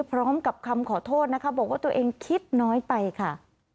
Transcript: พร้อมกับคำขอโทษนะคะบอกว่าตัวเองคิดน้อยไปค่ะ